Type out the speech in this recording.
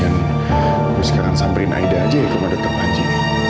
mungkin gue sekarang samperin aida aja ya kalau dokter panji